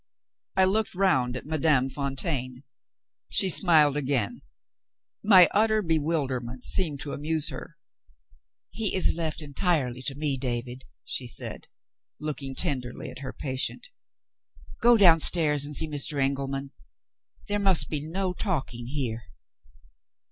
I looked round at Madame Fontaine. She smiled again; my utter bewilderment seemed to amuse her. "He is left entirely to me, David," she said, looking tenderly at her patient. "Go downstairs and see Mr. Engelman. There must be no talking here."